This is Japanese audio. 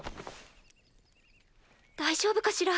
大丈夫かしら？